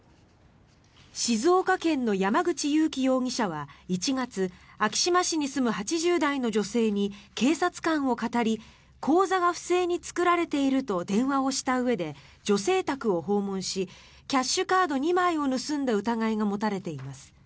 静岡県の山口裕貴容疑者は１月昭島市に住む８０代の女性に警察官をかたり口座が不正に作られていると電話をしたうえで女性宅を訪問しキャッシュカード２枚を盗んだ疑いが持たれています。